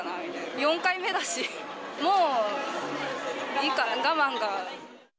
４回目だし、もういいかな、我慢が。